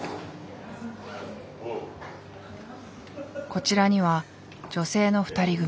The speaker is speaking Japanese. こちらには女性の２人組。